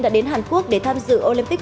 đã đến hàn quốc để tham dự olympic